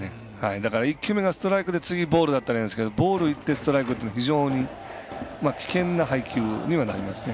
だから１球目がストライクで２球目がボールだったらいいんですけど１球目、ボールで２球目、ストライクだと非常に危険な配球にはなりますね。